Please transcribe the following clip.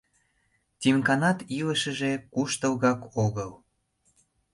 Тимканат илышыже куштылгак огыл.